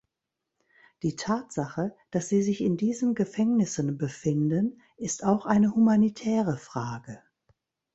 Die Tatsache, dass sie sich in diesen Gefängnissen befinden, ist auch eine humanitäre Frage.